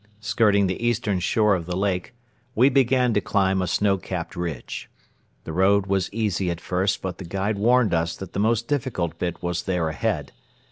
Skirting the eastern shore of the lake, we began to climb a snow capped ridge. The road was easy at first but the guide warned us that the most difficult bit was there ahead.